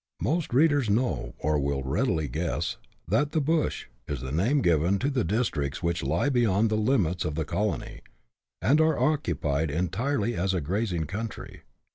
Most readers know, or will readily guess, that " the Bush " is the name given to the districts which lie beyond the limits of the colony, and are occupied entirely as a grazing country.